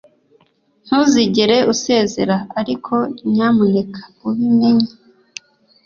ntuzigere usezera, ariko nyamuneka ubimenye